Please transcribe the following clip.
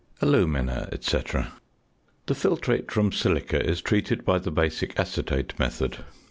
~Alumina, &c.~ The filtrate from silica is treated by the basic acetate method.